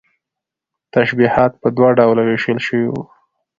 تشبيهات په دوه ډوله ويشلى شو